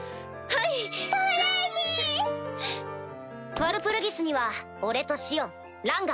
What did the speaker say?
ワルプルギスには俺とシオンランガ。